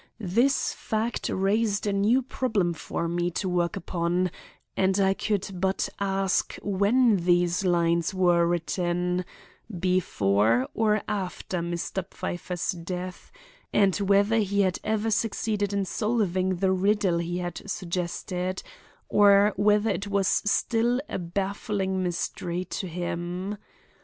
This fact raised a new problem far me to work upon, and I could but ask when these lines were written—before or after Mr. Pfeiffer's death and whether he had ever succeeded in solving the riddle he had suggested, or whether it was still a baffling mystery to him.